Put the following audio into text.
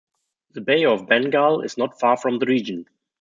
The Bay of Bengal is not far from the region.